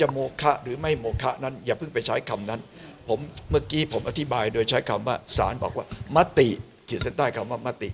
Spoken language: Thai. เมื่อกี้ผมอธิบายโดยใช้คำว่าสารบอกว่ามะติคิดเส้นใต้คำว่ามะติ